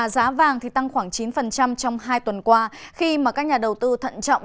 giá vàng tăng khoảng chín trong hai tuần qua khi mà các nhà đầu tư thận trọng